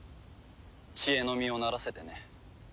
知恵の実をならせてね。